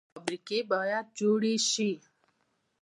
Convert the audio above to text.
فابریکې باید جوړې شي